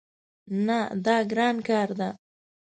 نه، دا ګران کار ده